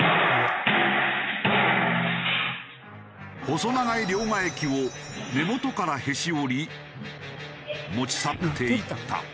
細長い両替機を根元からへし折り持ち去っていった。